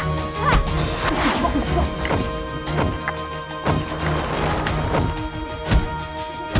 minum angkaja ini